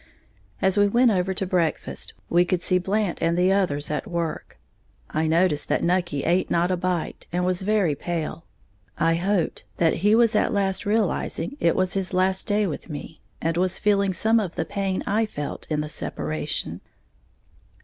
As we went over to breakfast, we could see Blant and the others at work. I noticed that Nucky ate not a bite, and was very pale, I hoped that he was at last realizing it was his last day with me, and was feeling some of the pain I felt in the separation.